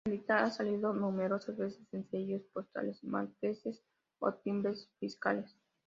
Melita ha salido numerosas veces en sellos postales malteses o timbres fiscales.